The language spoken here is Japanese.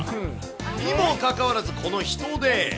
にもかかわらず、この人出。